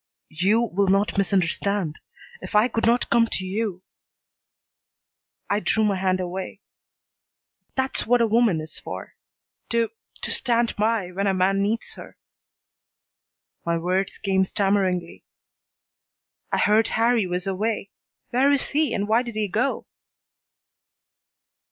You will not misunderstand. If I could not come to you " I drew my hand away. "That's what a woman is for, to to stand by when a man needs her." My words came stammeringly. "I heard Harrie was away. Where is he and why did he go?"